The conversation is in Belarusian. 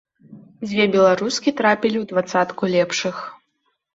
Дзве беларускі трапілі ў дваццатку лепшых.